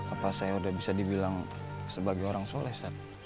apa saya udah bisa dibilang sebagai orang soleh ustaz